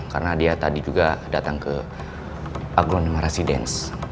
karena dia tadi juga datang ke aglun marasidens